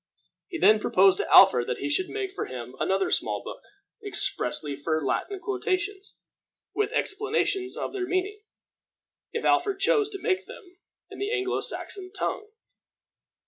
He then proposed to Alfred that he should make for him another small book, expressly for Latin quotations, with explanations of their meaning, if Alfred chose to make them, in the Anglo Saxon tongue.